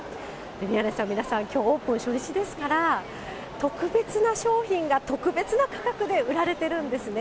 宮根さん、皆さん、きょうオープン初日ですから、特別な商品が、特別な価格で売られてるんですね。